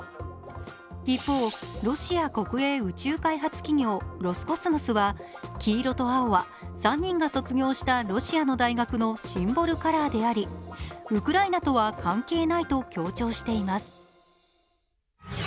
一方、ロシア国営宇宙開発企業、ロスコスモスは黄色と青は３人が卒業したロシアの大学のシンボルカラーであり、ウクライナとは関係ないと強調しています。